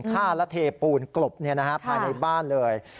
ฆ่าและเทปูนกลบเนี่ยนะครับภายในบ้านเลย